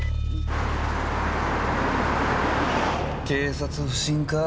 警察不信か。